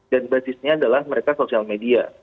dan basisnya adalah mereka sosial media